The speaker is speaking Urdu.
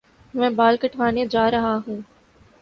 میں بال کٹوانے جا رہا ہوں